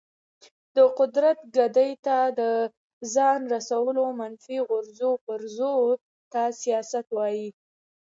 د قدرت ګدۍ ته د ځان رسولو منفي غورځو پرځو ته سیاست وایي.